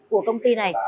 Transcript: của công ty này